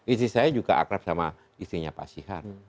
istri saya juga akrab sama istrinya pak sihar